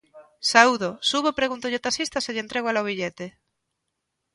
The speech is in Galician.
Saúdo, subo e pregúntolle á taxista se lle entrego a ela o billete.